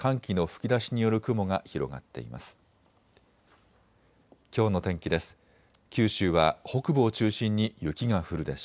きょうの天気です。